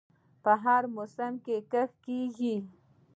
په هر موسم کې کښت کیږي.